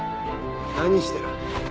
何してる？